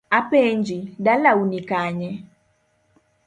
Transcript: Apenji, dalau ni kanye?